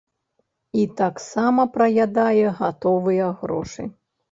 І таксама праядае гатовыя грошы.